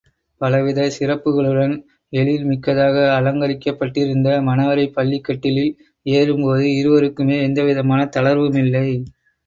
பலவிதச் சிறப்புக்களுடன் எழில்மிக்கதாக அலங்கரிக்கப்பட்டிருந்த மணவறைப் பள்ளிக்கட்டிலில் ஏறும்போது, இருவருக்குமே எந்தவிதமான தளர்வுமில்லை.